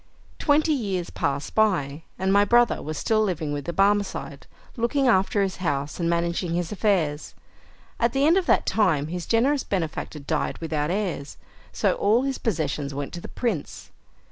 Twenty years passed by, and my brother was still living with the Barmecide, looking after his house, and managing his affairs. At the end of that time his generous benefactor died without heirs, so all his possessions went to the prince.